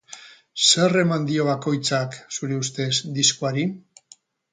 Zer eman dio bakoitzak, zure ustez, diskoari?